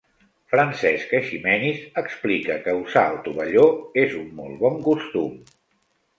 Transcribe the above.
Francesc Eiximenis explica que usar el tovalló és un molt bon costum.